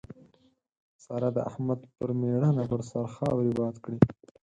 سارا د احمد پر ميړانه پر سر خاورې باد کړې.